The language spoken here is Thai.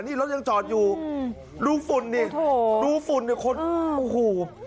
นี่รถยังจอดอยู่ดูฝุ่นดิดูฝุ่นดิคนโอ้โห